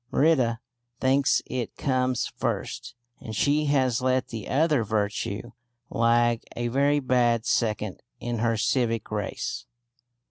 Merida thinks it comes first, and she has let the other virtue lag a very bad second in her civic race.